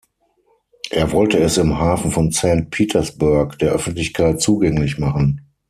Er wollte es im Hafen von Saint Petersburg der Öffentlichkeit zugänglich machen.